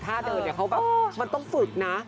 ถ้าเดินเนี่ยเขาแบบมันต้องฝึกนะ